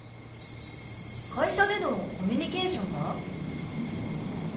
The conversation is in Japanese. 会社でのコミュニケーションは？